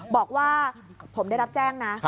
บอกว่าผมได้รับแจ้งนะ